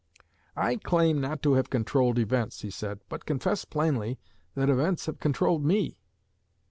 'I claim not to have controlled events,' he said, 'but confess plainly that events have controlled me.'